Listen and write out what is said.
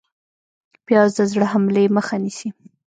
پیاز د زړه حملې مخه نیسي